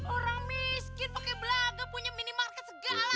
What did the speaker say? orang miskin pakai belaga punya minimarket segala lu ya